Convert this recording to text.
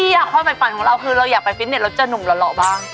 ดีอ่ะความเป็นฝันของเราคือเราอยากไปฟิตเนสแล้วจะหนุ่มหล่อบ้าง